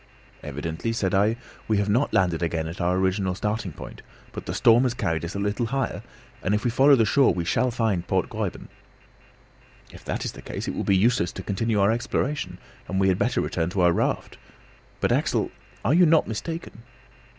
"Evidently," said I, "we have not landed again at our original starting point, but the storm has carried us a little higher, and if we follow the shore we shall find Port Gräuben." "If that is the case it will be useless to continue our exploration, and we had better return to our raft. But, Axel, are you not mistaken?"